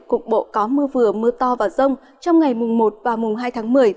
cục bộ có mưa vừa mưa to và rông trong ngày mùng một và mùng hai tháng một mươi